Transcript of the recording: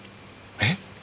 えっ？